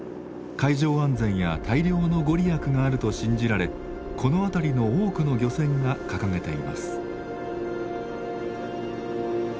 海上安全や大漁のご利益があると信じられこの辺りの多くの漁船が掲げています。